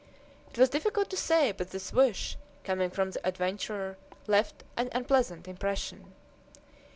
It was difficult to say, but this wish, coming from the adventurer, left an unpleasant impression.